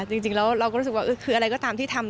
จริงแล้วเราก็รู้สึกว่าคืออะไรก็ตามที่ทำ